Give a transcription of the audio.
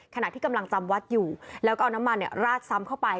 ขณะที่กำลังจำวัดอยู่แล้วก็เอาน้ำมันราดซ้ำเข้าไป